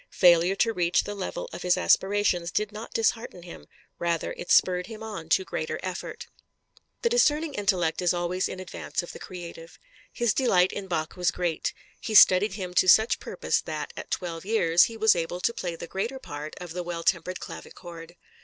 Failure to reach the level of his aspirations did not dishearten him; rather it spurred him on to greater effort. The discerning intellect is always in advance of the creative. His delight in Bach was great; he studied him to such purpose that, at twelve years, he was able to play the greater part of the Well tempered Clavichord.